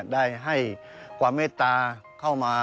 ได้ให้ความเมตตาเข้ามา